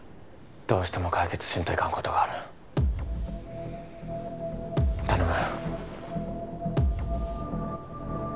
どうしても解決しんといかんことがある頼む